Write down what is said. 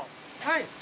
はい。